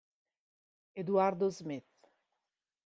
Eduardo Smith